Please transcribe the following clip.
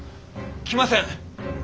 来ません。